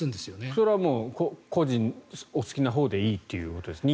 それは個人お好きなほうでいいということですか。